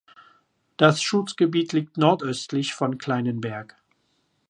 Das Schutzgebiet liegt nordöstlich von Kleinenberg.